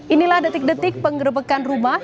inilah detik detik penggerbekan rumah